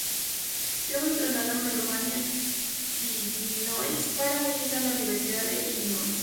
Luego se trasladaron a Urbana, Illinois, para unirse a la Universidad de Illinois.